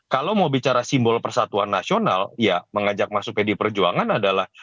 kalau mau bicara simbol persatuan nasional ya mengajak masuk pd perjuangan adalah